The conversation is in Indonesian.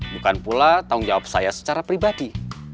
bukan pula tanggung jawab saya secara pribadi